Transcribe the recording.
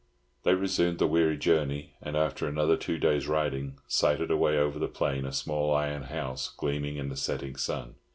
They resumed the weary journey, and after another two days' riding sighted away over the plain a small iron house, gleaming in the setting sun.